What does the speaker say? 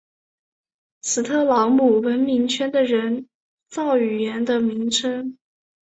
斯特劳姆文明圈的人造语言的名称。